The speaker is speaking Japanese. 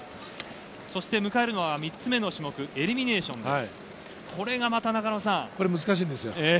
迎えるのは３つ目の種目エリミネイションです。